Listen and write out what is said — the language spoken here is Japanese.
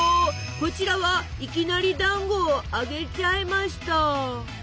こちらはいきなりだんごを揚げちゃいました。